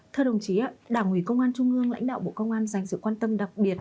thưa đồng chí đảng ủy công an trung ương lãnh đạo bộ công an dành sự quan tâm đặc biệt